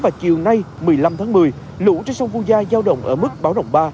vào chiều nay một mươi năm tháng một mươi lũ trên sông vu gia giao động ở mức báo động ba